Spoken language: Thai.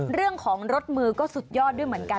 เรื่องของรถมือก็สุดยอดด้วยเหมือนกัน